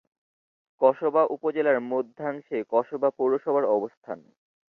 কসবা উপজেলার মধ্যাংশে কসবা পৌরসভার অবস্থান।